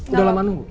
udah lama nunggu